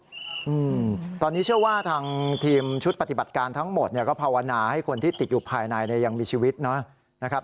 อืมตอนนี้เชื่อว่าทางทีมชุดปฏิบัติการทั้งหมดเนี่ยก็ภาวนาให้คนที่ติดอยู่ภายในเนี่ยยังมีชีวิตนะครับ